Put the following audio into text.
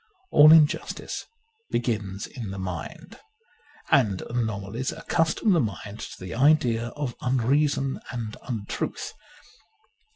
All injustice begins in the mind : and anomalies accustom the mind to the idea of unreason and untruth.